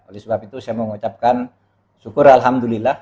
oleh sebab itu saya mengucapkan syukur alhamdulillah